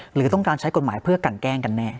หรือต้องการใช้กฎหมายเพื่อกันแกล้งกันแน่